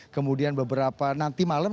kemudian beberapa nanti malam